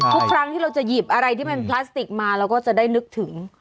ทุกครั้งที่เราจะหยิบอะไรที่มันพลาสติกมาเราก็จะได้นึกถึง